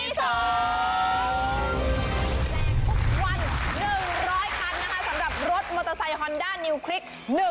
แจกทุกวัน๑๐๐คันนะคะสำหรับรถมอเตอร์ไซค์ฮอนด้านิวคลิก